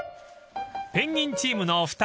［ペンギンチームのお二人］